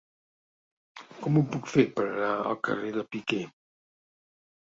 Com ho puc fer per anar al carrer de Piquer?